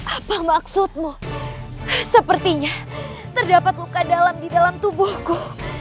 apa maksudmu sepertinya terdapat luka dalam di dalam tubuhku